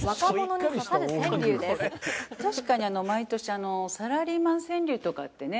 確かに毎年サラリーマン川柳とかってね。